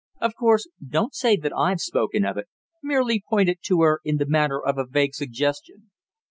Of course, don't say that I've spoken of it. Merely put it to her in the manner of a vague suggestion."